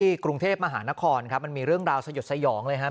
กรุงเทพมหานครครับมันมีเรื่องราวสยดสยองเลยครับ